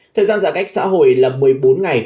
thời gian giãn cách xã hội là một mươi bốn ngày